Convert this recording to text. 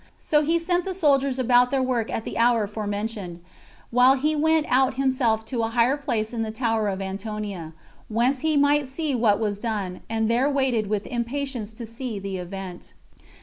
So he sent the soldiers about their work at the hour forementioned, while he went out himself to a higher place in the tower of Antonia, whence he might see what was done, and there waited with impatience to see the event.